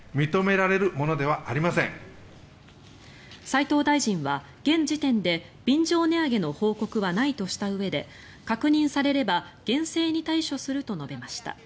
斉藤大臣は、現時点で便乗値上げの報告はないとしたうえで確認されれば厳正に対処すると述べました。